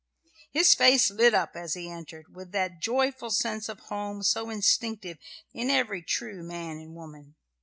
His face lit up, as he entered, with that joyful sense of home so instinctive in every true man and woman.